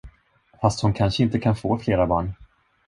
Fast hon kanske inte kan få flera barn.